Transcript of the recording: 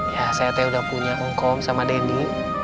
ya saya teh udah punya ngkom sama denny